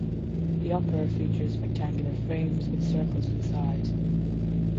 The upper features rectangular frames with circles inside.